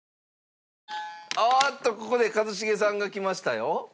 おーっとここで一茂さんがきましたよ。